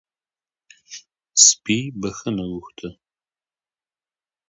سپي بښنه غوښته